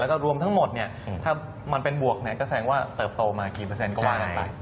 แล้วก็รวมทั้งหมดเนี่ยถ้ามันเป็นบวกก็แสดงว่าเติบโตมากี่เปอร์เซ็นต์ก็ว่ากันไป